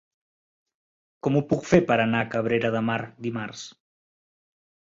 Com ho puc fer per anar a Cabrera de Mar dimarts?